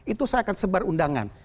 itu saya akan sebar undangan